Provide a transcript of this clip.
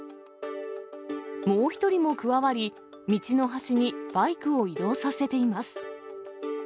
もう１人も加わり、道の端にバイクを移動させています。